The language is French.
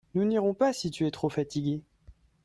Nous n'irons pas si tu es trop fatiguée.